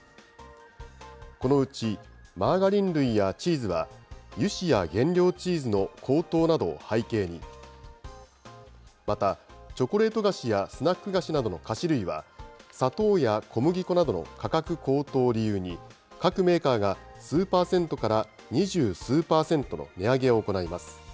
このうちマーガリン類やチーズは、油脂や原料チーズの高騰などを背景に、また、チョコレート菓子やスナック菓子などの菓子類は、砂糖や小麦粉などの価格高騰を理由に、各メーカーが数％から二十数％の値上げを行います。